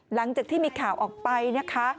หลังจากที่มีข่าวออกไปนะคะ